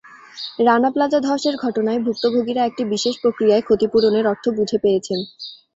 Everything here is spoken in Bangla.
রানা প্লাজা ধসের ঘটনায় ভুক্তভোগীরা একটি বিশেষ প্রক্রিয়ায় ক্ষতিপূরণের অর্থ বুঝে পেয়েছেন।